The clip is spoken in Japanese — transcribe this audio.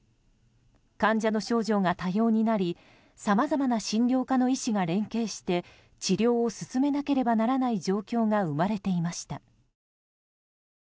患者の症状が多様になりさまざまな診療科の医師が連携して治療を進めなければならない状況が生まれていました。